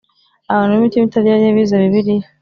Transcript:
Abantu b’ imitima itaryarya bize Bibiliya.